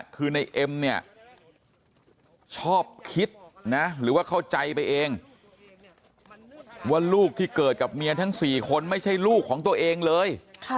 คือในเอ็มเนี่ยชอบคิดนะหรือว่าเข้าใจไปเองว่าลูกที่เกิดกับเมียทั้ง๔คนไม่ใช่ลูกของตัวเองเลย